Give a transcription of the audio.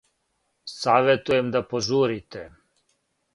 Саветујем да пожурите.